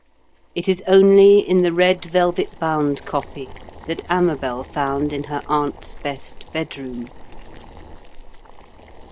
_' It is only in the red velvet bound copy that Amabel found in her aunt's best bedroom.